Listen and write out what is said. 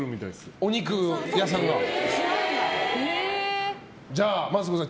お肉屋さんが。